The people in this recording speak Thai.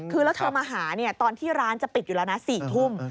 คือแล้วเธอมาหาตอนที่ร้านจะปิดอยู่แล้วนะ๔ทุ่ม